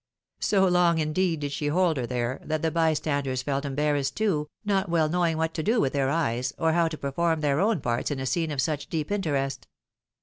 So long indeed did she hold her there, that the bystanders felt embarrassed too, not well knowing what to do with their eyes, or how to perform their own parts in a scene of such deep interest.